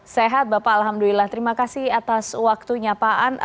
sehat bapak alhamdulillah terima kasih atas waktunya pak an